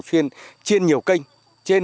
xuyên trên nhiều kênh trên